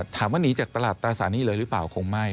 ถามว่าหนีจากตลาดตราสารหนี้เลยหรือเปล่าคงไม่